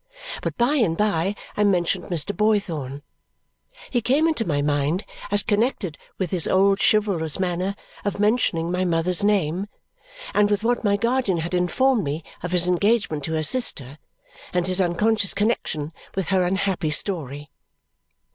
But by and by I mentioned Mr. Boythorn. He came into my mind as connected with his old chivalrous manner of mentioning my mother's name and with what my guardian had informed me of his engagement to her sister and his unconscious connexion with her unhappy story.